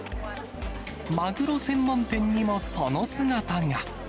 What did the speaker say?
マグロ専門店にもその姿が。